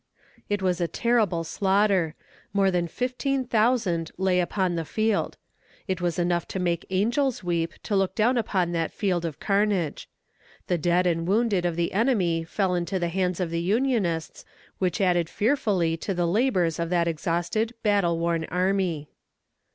It was a terrible slaughter more than fifteen thousand lay upon the field. It was enough to make angels weep, to look down upon that field of carnage. The dead and wounded of the enemy fell into the hands of the Unionists, which added fearfully to the labors of that exhausted, battle worn army.